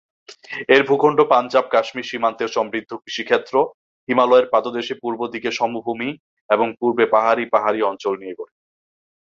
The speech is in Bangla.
এর ভূখণ্ড পাঞ্জাব/কাশ্মীর সীমান্তে সমৃদ্ধ কৃষিক্ষেত্র, হিমালয়ের পাদদেশে পূর্ব দিকে সমভূমি এবং পূর্বে পাহাড়ি পাহাড়ি অঞ্চল নিয়ে গঠিত।